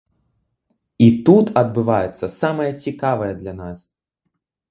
І тут адбываецца самае цікавае для нас.